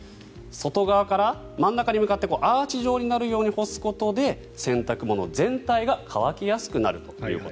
外側から真ん中に向かってアーチ状になるように干すことで洗濯物全体が乾きやすくなると。